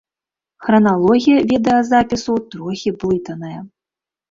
Храналогія відэазапісу трохі блытаная.